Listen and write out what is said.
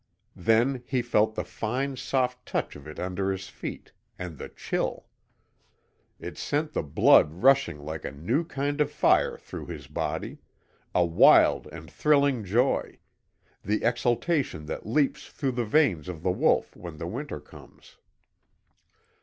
Then he felt the fine, soft touch of it under his feet, and the chill. It sent the blood rushing like a new kind of fire through his body; a wild and thrilling joy the exultation that leaps through the veins of the wolf when the winter comes.